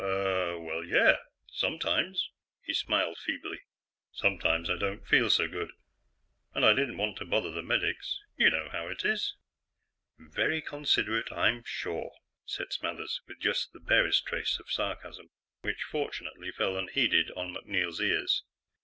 uh ... well, yeah. Sometimes." He smiled feebly. "Sometimes I didn't feel so good, and I didn't want to bother the medics. You know how it is." "Very considerate, I'm sure," said Smathers with just the barest trace of sarcasm, which, fortunately, fell unheeded on MacNeil's ears.